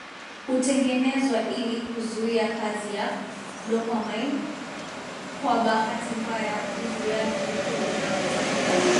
hutengenezwa ili kuzuia kazi ya dopamine Kwa bahati mbaya uzuiaji huu unaweza pia